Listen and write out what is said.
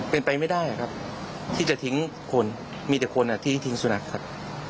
เป็นไปไม่ได้ครับที่จะทิ้งคนมีแต่คนที่ทิ้งสุนัขครับ